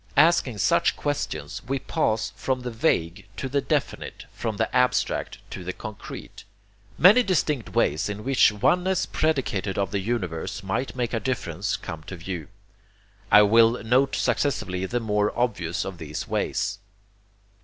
Asking such questions, we pass from the vague to the definite, from the abstract to the concrete. Many distinct ways in which oneness predicated of the universe might make a difference, come to view. I will note successively the more obvious of these ways.